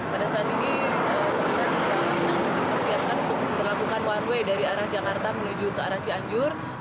pada saat ini kemudian sedang dipersiapkan untuk melakukan one way dari arah jakarta menuju ke arah cianjur